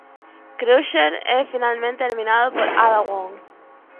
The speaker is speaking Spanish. Krauser es finalmente eliminado por Ada Wong.